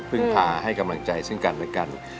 ภึ่งพาให้กำลังใจซึ่งกันได้กัน